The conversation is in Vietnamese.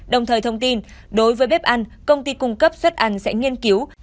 đồng thời thông tin đối với bếp ăn công ty cung cấp suất ăn sẽ nghiên cứu